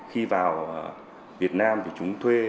khi vào việt nam thì chúng thuê